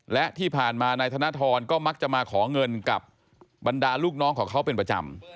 และที่ผ่านมานายธนทรก็มักจะมาขอเงินกับบรรดาลูกน้องของเขาเป็นประจำ